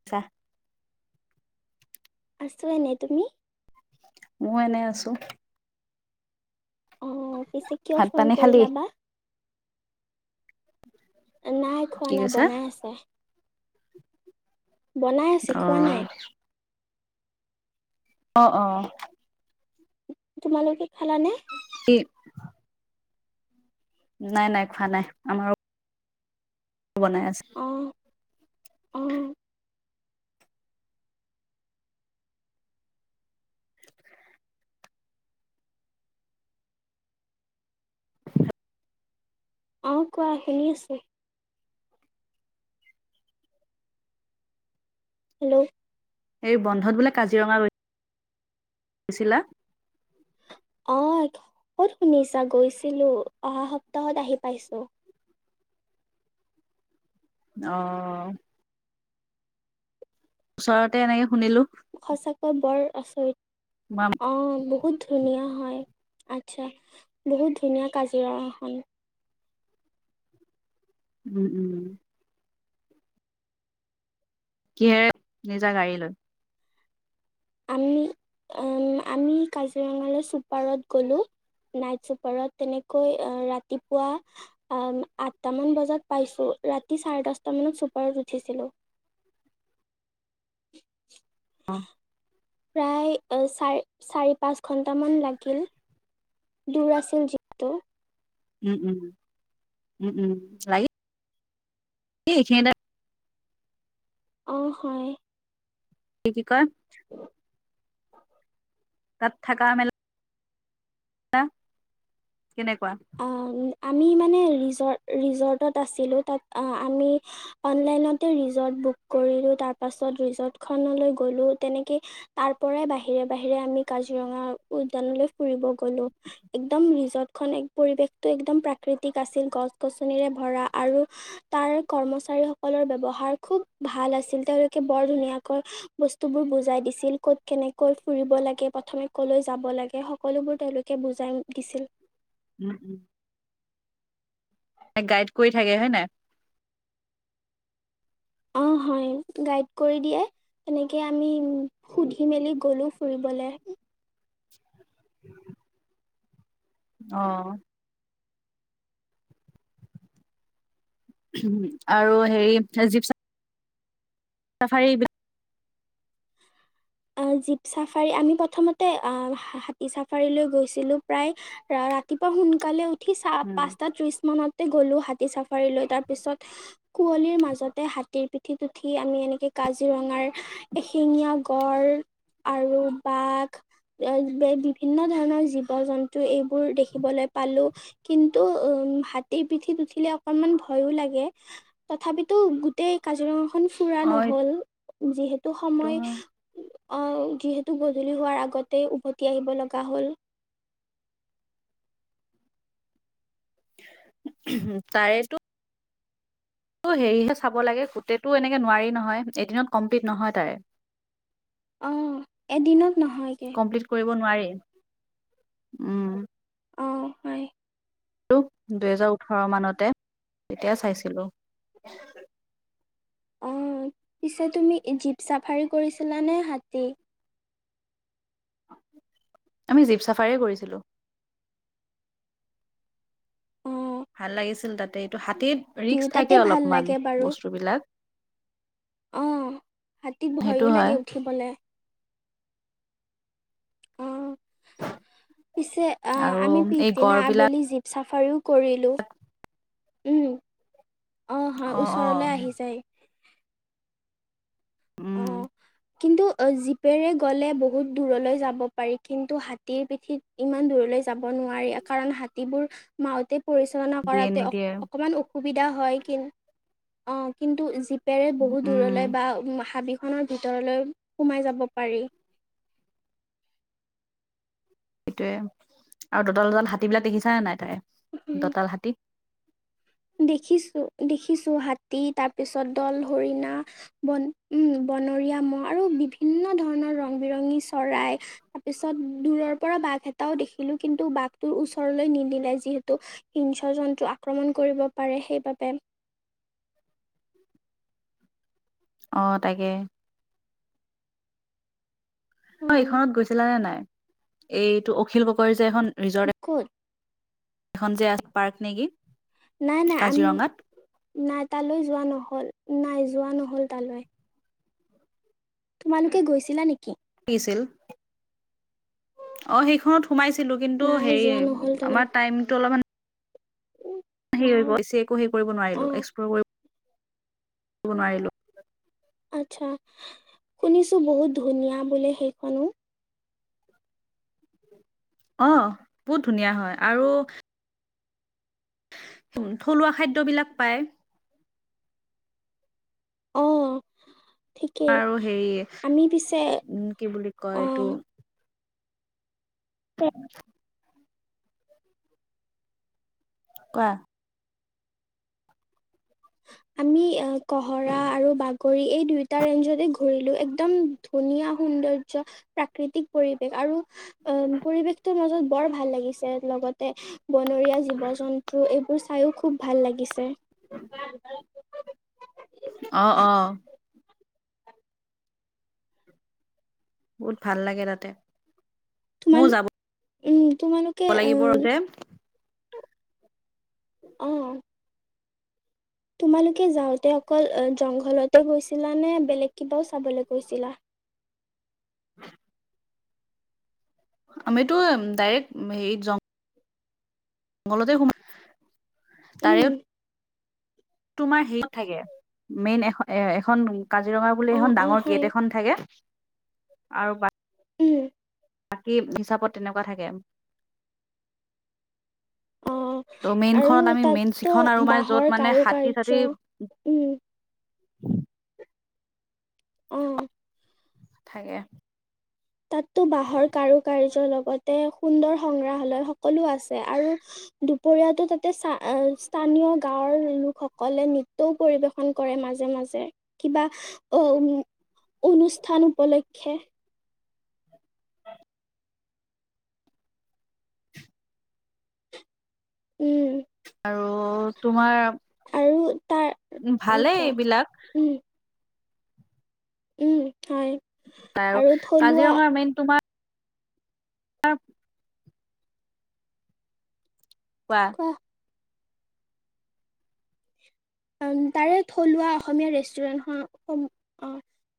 আচ্ছা', আছো এনে, তুমি? মইয়ো এনে আছো। অ', পিছে কিয় ভাত ফোন পানী খালি কৰিলা বা? নাই। খোৱা কি নাই। কৈছা বনাই আছে। বনাই আছে অ খোৱা নাই। অ', অ, তোমালোকে খালানে? [unintelligible] নাই। নাই। খোৱা নাই। আমাৰ বনাই আছে। অ অ অ', কোৱা শুনি আছো। হেল্ল', এই বন্ধত বোলে, কাজিৰঙা গছিলা? অ', ক'ত শুনিছা গৈছিলো। অহা সপ্তাহত আহি পাইছো। অ', ওচৰতে এনেকে শুনিলো। সঁচাকৈ বৰ আচৰিত মাম অ', বহুত ধুনীয়া হয়। আচ্ছা বহুত ধুনীয়া কাজিৰঙাখন। উম', উম, কিহেৰে নিজা গাড়ী লৈ আমি [unintelligible] আমি কাজিৰঙালৈ চুপাৰত গলো। নাইট চুপাৰত তেনেকৈ ৰাতিপুৱা অ', আঠটামান বজাত পাইছোঁ ৰাতি চাৰে দহটামানত ছুপাৰত উঠিছিলো। [inaudible] অ'। প্ৰায় চাৰ চাৰি পাঁচ ঘণ্টামান লাগিল। দূৰ আছিল যিহেতু। উম, উম, উম, উম, [unintelligible] সিহঁতে অ', হয়। কি কি কয়। তাত থকা মেলা কেনেকুৱা? আ আমি মানে ৰিজৰ্ট ৰিজৰ্টত আছিলো তাত আ আমি অনলাইনতে ৰিজৰ্ট বুক কৰিলো তাৰ পাছত ৰিজৰ্টখনলৈ গ'লো তেনেকে তাৰ পৰাই বাহিৰে বাহিৰে আমি কাজিৰঙা উদ্যানলৈ ফুৰিব গ'লো একদম ৰিজৰ্টখন এক পৰিৱেশটো একদম প্ৰাকৃতিক আছিল। গছ গছনিৰে ভৰা আৰু তাৰ কৰ্মচাৰীসকলৰ ব্যৱহাৰ খুব ভাল আছিল। তেওঁলোকে বৰ ধুনীয়াকৈ বস্তুবোৰ বুজাই কেনেকৈ ফুৰিব লাগে প্ৰথমে ক'লৈ যাব লাগে সকলোবোৰ তেওঁলোকে কে বুজাই দিছিল। উম, উম। গাইড কৰি থাকে হয় নে নাই? অ', হয় গাইড কৰি দিয়ে। এনেকে আমি উম সুধি মেলি গ'লো ফুৰিবলৈ। [inaudible] অ'। আৰু হেৰি জীপ চাফাৰি এইবিলাক অ', জীপ চাফাৰী আমি প্ৰথমতে অ' হাতী চাফাৰীলৈ গৈছিলোঁ প্ৰায় ৰা-ৰাতিপুৱা সোনকালে উঠি চা উম, পাঁচটা ত্ৰিশ মানত তে গ'লো হাতী চাফাৰীলৈ। তাৰপিছত কুঁৱলীৰ মাজতে হাতীৰ পিঠিত উঠি আমি এনেকে কাজিৰঙাৰ এশিঙীয়া গড় আৰু বাঘ এ বিভিন্ন ধৰণৰ জীৱ জন্তু এইবোৰ দেখিবলৈ পালোঁ। কিন্তু উম হাতীৰ পিঠিত উঠিলে অকনমান ভয়ো লাগে। তথাপিতো গোটেই কাজিৰঙাখন ফুৰা অ নহ'ল যিহেতু এইটো সময় হয় অ', যিহেতু গধূলি হোৱাৰ আগতে উভতি আহিব লগা হ'ল। তাৰেটো টো হেৰিহে চাব লাগে গোটেইটো এনেকে নোৱাৰি নহয় এদিনত কমপ্লিট নহয় তাৰে। অ', এদিনত নহয় কি কমপ্লিট কৰিবলৈ নোৱাৰি উম। অ', হয়। দুহেজাৰ ওঠৰ মানতে তেতিয়া চাইছিলোঁ। অ', পিছে তুমি জীপ চাফাৰী কৰিছিলানে হাতী? আমি জীপ চাফাৰীয়ে কৰিছিলোঁ। অ'। ভাল লাগিছিল তাতে এইটো হাতীত ৰিস্ক দুয়োটাতে থাকে ভাল অলপমান লাগে বাৰু বস্তুবিলাক। অ হাতীত সেইটো ভয়ো হয় লাগে উঠিবলে। অ পিছে আ আৰু আমি এই পিছদিনা গড় বিলাক আবেলি জিপ চাফাৰীও কৰিলো, উম। অ হয় ওচৰলে আহি যায়। অ উম। কিন্তু জীপেৰে গ'লে বহুত দূৰলছ যাব পাৰি। কিন্তু হাতীৰ পিঠিত ইমান দূৰলৈ যাব নোৱাৰি কাৰণ হাতীবোৰ মাউতে পৰিচালনা দিয়ে কৰাতে নিদিয়ে অকমান অসুবিধা হয় কিন অ কিন্তু জিপ পেৰে বহুত উম দূৰলৈ বা হাবিখনৰ ভিতৰলৈ সোমাই যাব পাৰি। সেইটোয়ে আৰু দঁতাল দঁতাল হাতীবিলাক দেখিছা নে নাই তাই, দঁতাল হাতী দেখিছো দেখিছো হাতী তা পিছত দল হৰিণা বন উম বনৰীয়া মহ আৰু বিভিন্ন ধৰণৰ ৰং বিৰঙী চৰাই তাৰপিছত দূৰৰ পৰা বাঘ এটাও দেখিলো কিন্তু বাঘটোৰ ওচৰলে নিনিলে যিহেতু হিংশ্ৰ জন্তু আক্ৰমণ কৰিব পাৰে সেইবাবে। অ তাকে। উম এইখনত গৈছিলা নে নাই এইটো অখিল গগৈ যে এখন ৰিজৰ্ট ক'ত এখন যে আ পাৰ্ক নে কি? নাই নাই আম নাই তালৈ যোৱা নহল নাই যোৱা নহল তালৈ। তোমালোকে গৈছিলা নেকি? কি ছিল অ সেইখনত সোমাইছিলো কিন্তু নাই হেৰি যোৱা নহল তালৈ আমাৰ টাইমটো অলপমান হেৰি হৈ গ বেছি একো সেই কৰিব অ নোৱাৰিলো এক্সপ্লৰ কৰিব নোৱাৰিলো। আত্চ্ছা শুনিছো বহুত ধুনীয়া বোলে সেইখনো? অ বহুত ধুনীয়া হয় আৰু থলুৱা খাদ্যবিলাক পায়। অ ঠিকেই আৰু হেৰি আমি পিছে উম কি বুলি কয় এইটো অ' তে কোৱা? আমি এ কহৰা আৰু বাগৰি এই দুইটা ৰেঞ্জতে ঘূৰিলো একদম ধুনীয়া সৌন্দৰ্য প্ৰাকৃতিক পৰিৱেশ আৰু আম পৰিৱেশটো মাজত বৰ ভাল লাগিছে লগতে বনৰীয়া জীৱ-জন্তু এইবোৰ চাইও খুব ভাল লাগিছে। [unintelligible] অ অ। বহুত ভাল লাগে তাতে। তোমাল ময়ো যাব উম তোমালোকে লাগিব অহ যে অ। তোমালোকে যাওঁতে অকল জংঘলতে গৈছিলা নে বেলেগ কিবাও চাবলৈ গৈছিলা? [inaudible] আমিতো ডাইৰেক্ট জং মগলতে সোমা উম তাৰে তোমাৰ হেৰিত থাকে মেইন এ এ এখন কাজিৰঙা বুলি অ' এখন অ' ডাঙৰ হয় গেট এখন থাকে আৰু বা উ। বাকী হিচাপত তেনেকুৱা থাকে অ' ত' মেইন আৰু খত আমি মেইন তাততো যিখন আৰু মানে য'ত বাঁহৰ মানে কাৰু হাতী চাতি কাৰ্য উম অ থাকে তাততো বাঁহৰ কাৰু কাৰ্য লগতে সুন্দৰ সংগ্ৰাহালয় সকলো আছে আৰু দুপৰিয়াটো তাতে স্থানীয় গাঁৱৰ লোকসকলে নিত্য পৰিবেশন কৰে মাজে মাজে কিবা অ [unintelligible] অনুষ্ঠান উপলক্ষে উম আৰু তোমাৰ আৰু তাৰ অ ভালে কোৱা এইবিলাক উম উম হয় আৰু কাজিৰঙা মেইন তোমাৰ [unintelligible] কোৱা অ তাৰে থলুৱা অসমীয়া ৰেষ্টুৰেণ্ট খন অ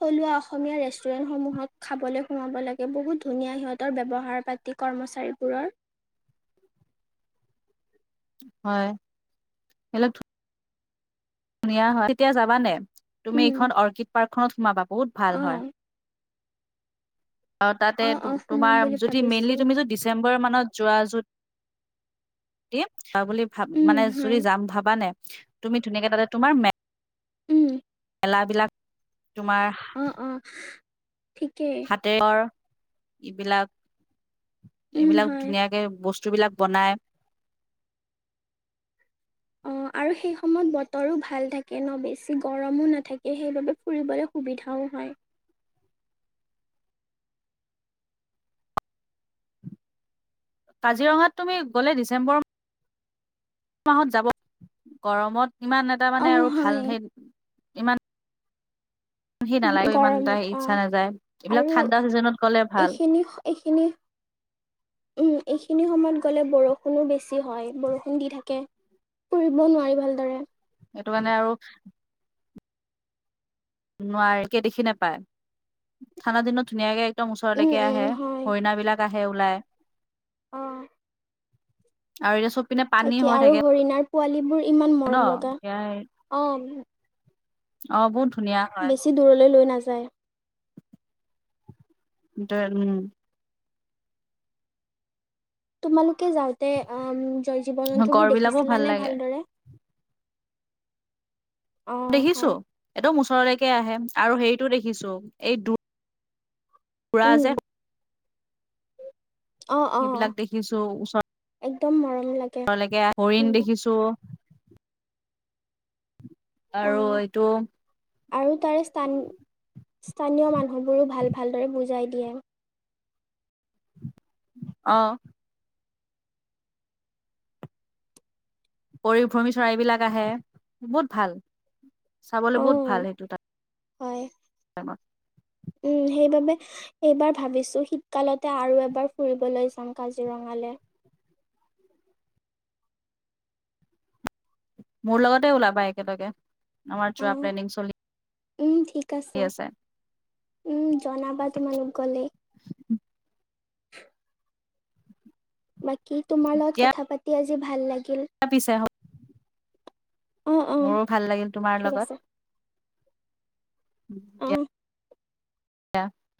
থলুৱা অসমীয়া ৰেষ্টুৰেন্ট সমূহক খাবলৈ সোমাব লাগে বহুত ধুনীয়া সিহঁতৰ ব্যয়ৱহাৰ পাতি কৰ্মচাৰীবোৰৰ হয় সেইবিলাক ধুনীয়া হয় তেতিয়া যাবা নে তুমি উম এইখন অৰ্কিড পাৰ্কখননত সোমাবা বহুত ভাল অ হয় অ তাতে অ সোমাম তোমাৰ বুলি যদি ভাবিছো মেইলি তুমি যদি দি ডিচেম্বৰ মানত যোৱা যুত দিম যাৱা বুলি ভা উম মানে যদি হয় যাম ভাবা নে তুমি ধুনীয়াকে তাতে তোমাৰ মে উম লাহ বিলাক তোমাৰ উম উম ঠিকে দেশৰ এইবিলাক উম এইবিলাক হয় ধুনীয়াকে বস্তু বিলাক বনায় অ আৰু সেই সময়ত বতৰো ভাল থাকে ন বেছি গৰমো নাথাকে সেইবাবে ফুৰিবলৈ সুবিধাও হয় কাজিৰঙাত তুমি গ'লে ডিচেম্বৰ মাহত যাব গৰমত ইমান এটা অ মানে আৰু হয় ভাল হে সি নালাগে ইমান এটা গৰমত অ ইচ্ছা নাযায় এইবিলাক আৰু ঠাণ্ডা চিজনত গলে ভাল এইখিনি এইখিনি [inaudible] উম এইখিনি সময়ত গ'লে বৰষুণো বেছি হয় বৰষুণ দি থাকে ফুৰিব নোৱাৰি ভালদৰে সেইটো কাৰণে আৰু নোৱাৰি একে দেখি নেপায় ঠাণ্ডা দিনত ধুনীয়াকে একদম উম, ওচৰলৈকে উম, আহে হয়। হৰিণা বিলাক আহে ওলাই অ আৰু এতিয়া চবপিনে পানী তাকে হৈ আৰু থাকে হৰিণাৰ পোৱালীবোৰ ইমান ন মৰম লগা এতিয়া অঁ অ বহুত ধুনীয়া হয় বেছি দূৰলৈ লৈ নাযায় তই উম তোমালোকে যাওঁতে জীৱ জন্তু গড় বোৰ বিলাকো ভাল দেখিছিলানে লাগে ভালদৰে অ' দেখিছো হয়। একদম ওচৰলৈকে আহে আৰু হেৰিটো দেখিছো এইটো পুৰা উম, যে অ অ অ সেইবিলাক দেখিছো একদম মৰম লাগে ঘৰলেকে হৰিণ উম, দেখিছো আৰু অ' এইটো আৰু তাৰে স্থান স্থানীয় মানুহবোৰো ভাল ভালদৰে বুজাই দিয়ে অ পৰিভ্ৰমী চৰাইবিলাক আহে বহুত ভাল চাবলে বহুত ভাল অ' সেইটো তাত হয়। উম সেইবাবে এইবাৰ ভাবিছো শীতকালতে আৰু এবাৰ ফুৰিবলৈ যাম কাজিৰঙালে মোৰ লগতে ওলাবা একেলগে আমাৰ যোৱা অ', প্লেনিং চলি উম ঠিক আছে উম জনাবা তোমালোক গলে বাকী তোমাৰ লগত কথা পাতি আজি ভাল লাগিল ভাবিছে অ অ', অ', মোৰো ভাল লাগিল তোমাৰ ঠিক আছে। লগত। অ দিয়া